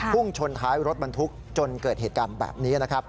พรุ่งชนท้ายรถมันทุกจนเกิดเหตุการณ์แบบนี้